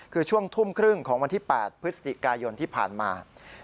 คือช่วงทุ่มครึ่งของวันที่๘พฤศจิกายนที่ผ่านมา